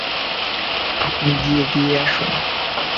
আপনিই গিয়ে দিয়ে আসুন।